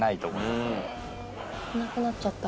いなくなっちゃった。